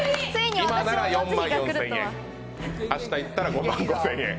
今なら４万４０００円、明日行ったら５万５０００円。